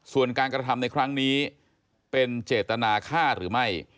ส่วนการกระทำในครั้งนี้เป็นเจตนาฆ่าหรือไม่